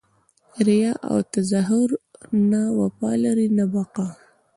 ریاء او تظاهر نه وفا لري نه بقاء!